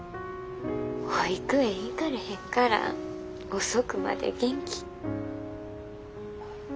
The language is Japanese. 保育園行かれへんから遅くまで元気。